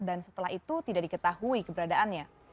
dan setelah itu tidak diketahui keberadaannya